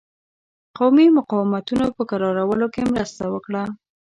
قومي مقاومتونو په کرارولو کې مرسته وکړه.